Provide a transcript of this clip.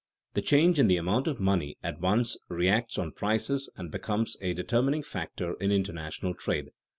The change in the amount of money at once reacts on prices and becomes a determining factor in international trade.